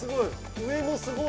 上もすごい。